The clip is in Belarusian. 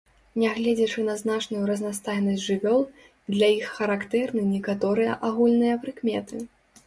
Нягледзячы на значную разнастайнасць жывёл, для іх характэрны некаторыя агульныя прыкметы.